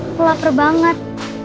aku lapar banget